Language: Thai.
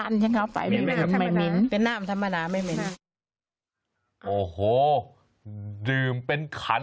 ไม่เป็นอะไรเหมือนกัน